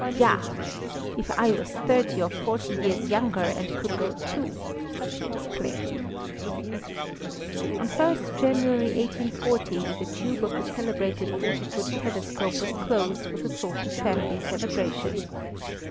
"Ja! if I was thirty or forty years younger and could go too!" she exclaimed. On 1st January 1840 the tube of the celebrated forty foot telescope was closed with a sort of family celebration.